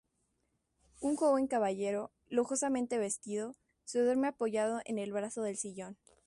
Un joven caballero, lujosamente vestido, se duerme apoyado en el brazo del sillón.